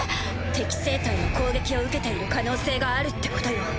敵性体の攻撃を受けている可能性があるってことよ。